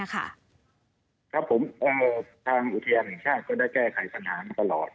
ครับผมทางอุทยานแห่งชาติก็ได้แก้ไขปัญหามาตลอด